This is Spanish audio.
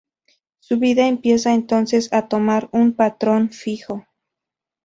Su vida empieza entonces a tomar un patrón fijo.